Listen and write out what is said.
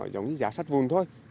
giống như giá sát vùng thôi